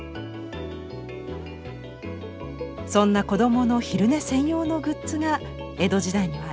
そんな子どもの昼寝専用のグッズが江戸時代にはありました。